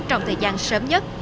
trong thời gian sớm nhất